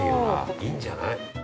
いいんじゃない？